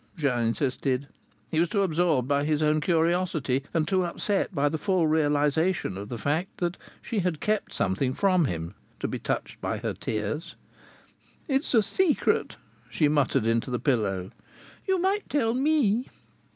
Jean insisted. He was too absorbed by his own curiosity, and too upset by the full realization of the fact that she had kept something from him, to be touched by her tears. "It's a secret," she muttered into the pillow. "You might tell me!"